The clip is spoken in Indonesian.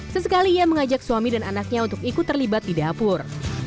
sesekali ia mengajak suami dan anaknya untuk ikut terlibat di dapur